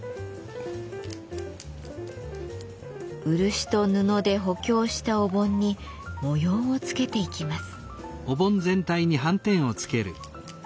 漆と布で補強したお盆に模様をつけていきます。